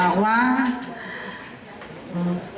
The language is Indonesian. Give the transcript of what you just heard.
kue narkoba ini bisa dihidupkan dalam lapas